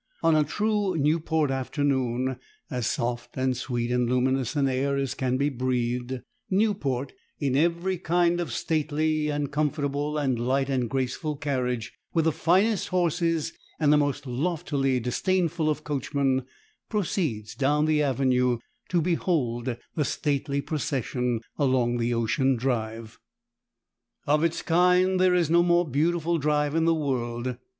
On a true Newport afternoon, as soft and sweet and luminous an air as can be breathed, Newport, in every kind of stately and comfortable and light and graceful carriage, with the finest horses and the most loftily disdainful of coachmen, proceeds down the avenue to behold the stately procession along the ocean drive. Of its kind there is no more beautiful drive in the world.